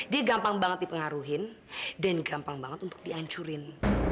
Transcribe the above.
dia gampang banget dipengaruhin dan gampang banget untuk dihancurin